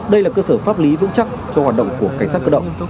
đây là cơ sở pháp lý vững chắc cho hoạt động của cảnh sát cơ động